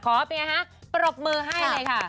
ขอบพี่นะฮะปรบมือให้เลยค่ะ